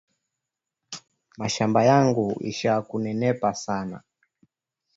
Mashamba yangu isha ku nenepa sana